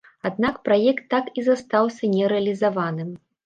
Аднак праект так і застаўся нерэалізаваным.